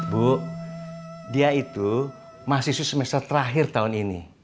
bu dia itu mahasiswi semester terakhir tahun ini